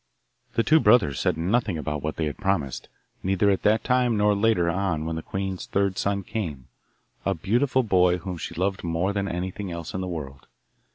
The two brothers said nothing about what they had promised, neither at that time nor later on when the queen's third son came, a beautiful boy, whom she loved more than anything else in the world.